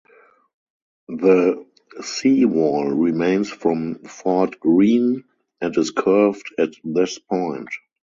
The seawall remains from Fort Greene and is curved at this point.